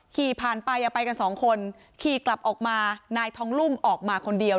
ขี่ผ่านไปไปกันสองคนขี่กลับออกมานายทองลุ่มออกมาคนเดียว